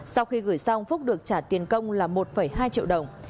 sau khi gửi xong phúc được trả tiền công là một hai triệu đồng